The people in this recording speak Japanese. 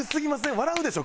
笑うでしょ？